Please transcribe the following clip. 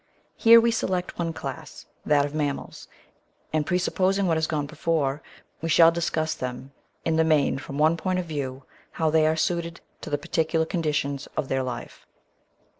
Here we select one class, that of Mammals, and, presupposing what has gone before, we shall discuss them in the main from one point of view — ^how they are suited to the particular conditions of their life.